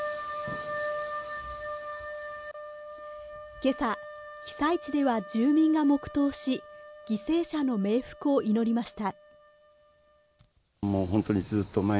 今朝、被災地では住民が黙とうし、犠牲者の冥福を祈りました。